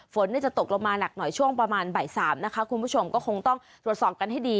ฝนจะตกลงมาหนักหน่อยช่วงประมาณบ่ายสามนะคะคุณผู้ชมก็คงต้องตรวจสอบกันให้ดี